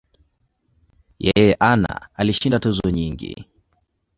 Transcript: Yeye ana alishinda tuzo nyingi.